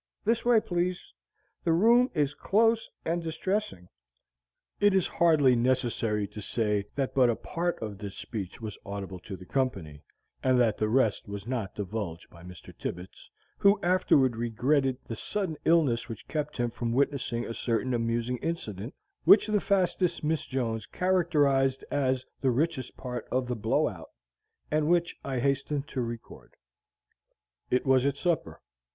This way, please; the room is close and distressing." It is hardly necessary to say that but a part of this speech was audible to the company, and that the rest was not divulged by Mr. Tibbets, who afterward regretted the sudden illness which kept him from witnessing a certain amusing incident, which the fastest Miss Jones characterized as the "richest part of the blow out," and which I hasten to record. It was at supper.